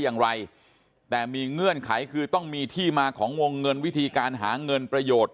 อย่างไรแต่มีเงื่อนไขคือต้องมีที่มาของวงเงินวิธีการหาเงินประโยชน์